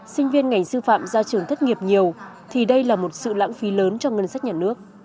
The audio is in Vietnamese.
sinh viên ngành sư phạm ra trường thất nghiệp nhiều thì đây là một sự lãng phí lớn cho ngân sách nhà nước